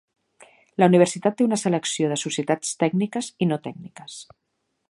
La universitat té una selecció de societats tècniques i no tècniques.